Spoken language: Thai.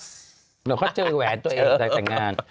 เหมือนเขาเจอแหวนตัวเองในแต่งงาน